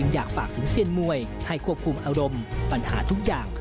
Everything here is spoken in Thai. อยากฝากถึงเซียนมวยให้ควบคุมอารมณ์ปัญหาทุกอย่าง